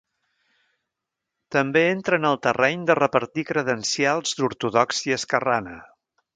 També entra en el terreny de repartir credencials d’ortodòxia esquerrana.